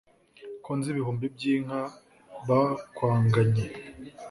Ko nzi ibihumbi by’inka bakwanganye